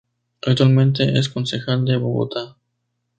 Actualmente es concejal de Bogotá.